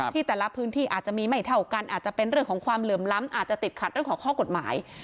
ที่แต่ละพื้นที่อาจจะมีไม่เท่ากันอาจจะเป็นเรื่องของความเหลื่อมล้ำอาจจะติดขัดเรื่องของข้อกฎหมาย